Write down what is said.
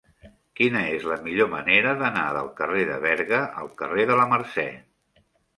Quina és la millor manera d'anar del carrer de Berga al carrer de la Mercè?